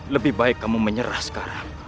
lebih baik kamu menyerah sekarang